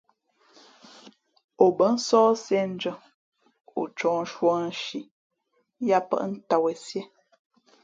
O bά nsǒh siēndʉ̄ᾱ, ǒ ncōh nshū ā nshi yāʼpάʼ tām wen síé.